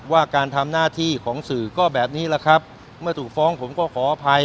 ว่าการทำหน้าที่ของสื่อก็แบบนี้แหละครับเมื่อถูกฟ้องผมก็ขออภัย